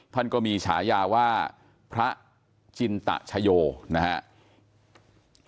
ท่านก็มีฉายาว่าพระจินตะชโยนะครับ